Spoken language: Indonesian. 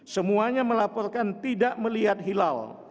semuanya melaporkan tidak melihat hilal